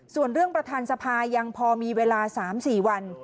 ส่วนเรื่องประธานสภายังพอมีเวลา๓๔วัน